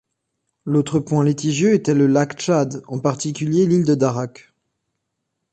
L'autre point litigieux était le lac Tchad, en particulier l'île de Darak.